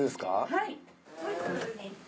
はい。